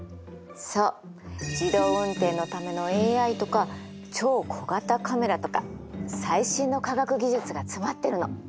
そう自動運転のためのＡＩとか超小型カメラとか最新の科学技術が詰まってるの。